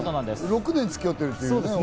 ６年、付き合ってるっていうね。